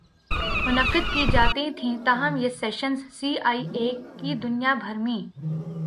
منعقد کی جاتی تھیں تاہم یہ سیشنز سی آئی اے کی دنیا بھر می